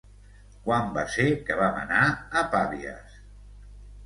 Quan va ser que vam anar a Pavies?